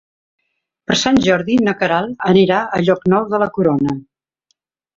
Per Sant Jordi na Queralt anirà a Llocnou de la Corona.